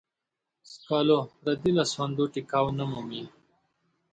سکالو پردې لاسوندو ټيکاو نه مومي.